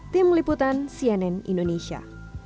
tim liputan cnn indonesia